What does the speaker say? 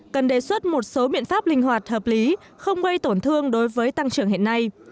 cần đề xuất một số biện pháp linh hoạt hợp lý không gây tổn thương đối với tăng trưởng hiện nay